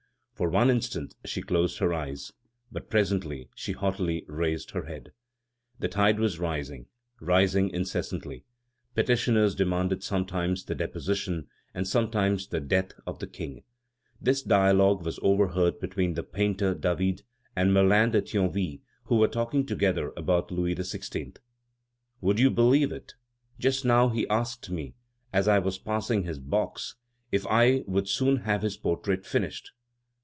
For one instant she closed her eyes. But presently she haughtily raised her head. The tide was rising, rising incessantly. Petitioners demanded sometimes the deposition, and sometimes the death, of the King. This dialogue was overheard between the painter David and Merlin de Thionville, who were talking together about Louis XVI.: "Would you believe it? Just now he asked me, as I was passing his box, if I would soon have his portrait finished."